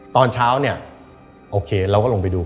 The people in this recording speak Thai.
ตอนเช้าเนี่ยโอเคเราก็ลงไปดู